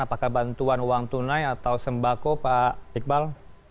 apakah bantuan uang tunai atau sembako pak iqbal